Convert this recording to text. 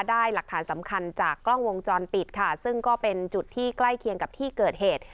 หลักฐานสำคัญจากกล้องวงจรปิดค่ะซึ่งก็เป็นจุดที่ใกล้เคียงกับที่เกิดเหตุ